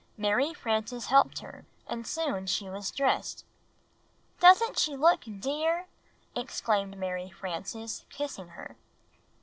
Mary Frances helped her and soon she was dressed. "Doesn't she look dear!" exclaimed Mary Frances, kissing her.